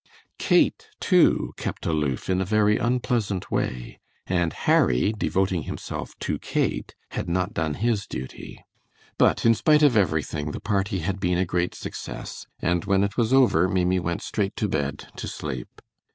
Kate, too, kept aloof in a very unpleasant way, and Harry, devoting himself to Kate, had not done his duty. But in spite of everything the party had been a great success, and when it was over Maimie went straight to bed to sleep.